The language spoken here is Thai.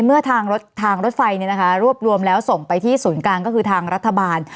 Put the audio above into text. เมื่อทางรถไฟรวบรวมแล้วส่งไปที่ศูนย์กลางก็คือทางรัฐบาล